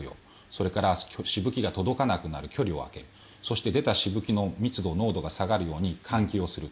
それからしぶきが届かなくなる距離を空けるそして、出たしぶきの密度、濃度が下がるように換気をする。